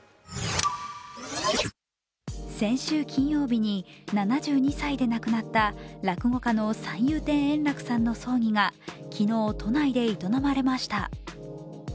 先週金曜日に７２歳で亡くなった落語家の三遊亭円楽さんの葬儀が昨日、都内で営まれました。